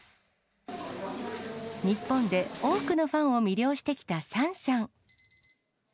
日本で多くのファンを魅了してきたシャンシャン。